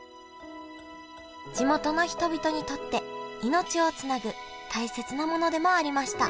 地元の人々にとって命をつなぐ大切なものでもありました